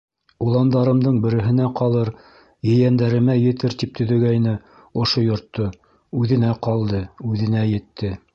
Уландарымдың береһенә ҡалыр, ейәндәремә етер тип төҙөгәйне ошо йортто, үҙенә ҡалды, үҙенә етте.